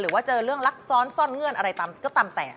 ว่าเจอเรื่องลักซ้อนซ่อนเงื่อนอะไรก็ตามแต่